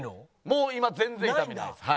もう今全然痛みないです。